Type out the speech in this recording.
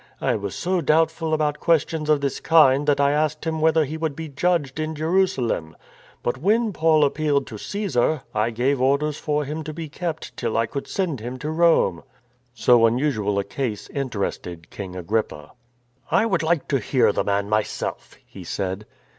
I was so doubtful about questions of this kind that I asked him whether he would be judged in Jeru salem. But when Paul appealed to Caesar, I gave orders for him to be kept till I could send him to Rome." So unusual a case interested King Agrippa. " I would like to hear the man myself," he said.